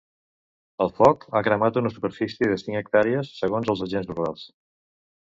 El foc ha cremat una superfície de cinc hectàrees, segons els Agents Rurals.